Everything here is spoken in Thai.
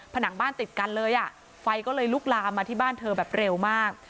ผนังบ้านติดกันเลยอ่ะไฟก็เลยลุกลามมาที่บ้านเธอแบบเร็วมาก